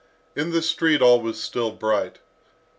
In the street all was still bright.